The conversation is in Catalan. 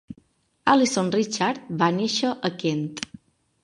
Alison Richard va néixer a Kent.